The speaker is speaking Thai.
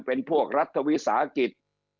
เป็นพวกรัฐวิสาหกิจ